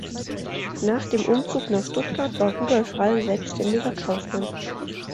Nach dem Umzug nach Stuttgart war Rudolf Rall selbstständiger Kaufmann.